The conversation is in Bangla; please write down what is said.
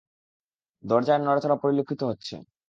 দরজায় নড়াচড়া পরিলক্ষিত হচ্ছে।